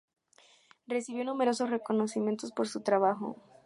Recibió numerosos reconocimientos por su trabajo.